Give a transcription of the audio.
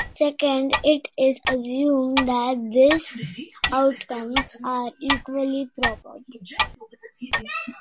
Second, it is assumed that these outcomes are equally probable.